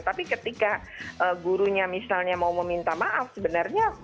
tapi ketika gurunya misalnya mau meminta maaf sebenarnya